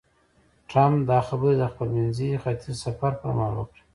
ټرمپ دا خبرې د خپل منځني ختیځ سفر پر مهال وکړې.